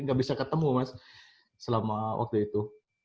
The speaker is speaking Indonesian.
nggak bisa ketemu mas selama waktu itu